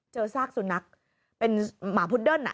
เจอซากสุนัขเป็นหมาพุดเดิ้นน่ะ